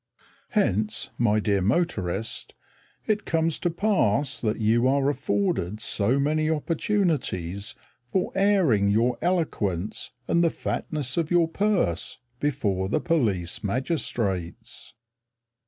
Hence, my dear motorist, It comes to pass that you are afforded so many opportunities For airing your eloquence and the fatness of your purse Before the police magistrates.